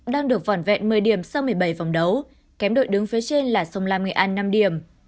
đang được vỏn vẹn một mươi điểm sau một mươi bảy vòng đấu kém đội đứng phía trên là sông lam nghệ an năm điểm